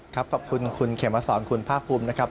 ขอบคุณคุณเขมสอนคุณภาคภูมินะครับ